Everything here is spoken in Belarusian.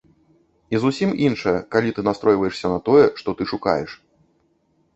І зусім іншая, калі ты настройваешся на тое, што ты шукаеш.